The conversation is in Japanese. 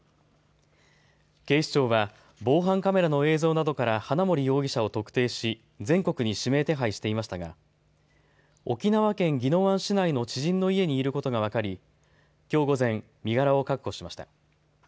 警視庁は防犯カメラの映像などから花森容疑者を特定し全国に指名手配していましたが沖縄県宜野湾市内の知人の家にいることが分かりきょう午前、身柄を確保しました。